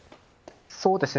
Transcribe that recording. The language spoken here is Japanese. そうですね。